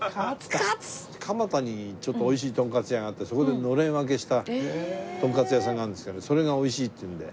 蒲田にちょっと美味しいとんかつ屋があってそこでのれん分けしたとんかつ屋さんがあるんですけどそれが美味しいっていうんで。